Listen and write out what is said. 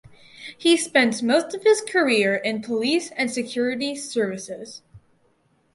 He spent most of his career in police and security services.